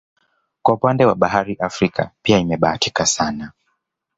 Kwa upande wa bahari Afrika pia imebahatika sana